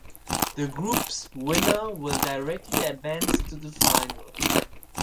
The groups winner will directly advance to the final.